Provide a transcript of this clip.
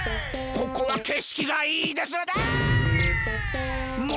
ここはけしきがいいですねああ！